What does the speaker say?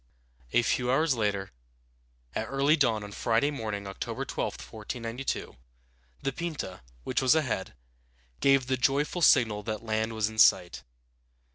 A few hours later, at early dawn on Friday morning, October 12, 1492, the Pinta, which was ahead, gave the joyful signal that land was in sight.